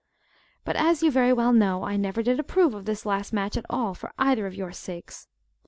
But, as you very well know, I never did approve of this last match at all, for either of your sakes.